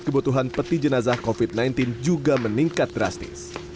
kebutuhan peti jenazah covid sembilan belas juga meningkat drastis